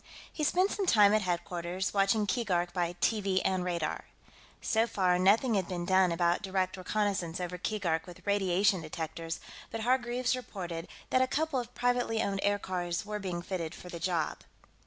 He spent some time at headquarters, watching Keegark by TV and radar. So far, nothing had been done about direct reconnaissance over Keegark with radiation detectors, but Hargreaves reported that a couple of privately owned aircars were being fitted for the job.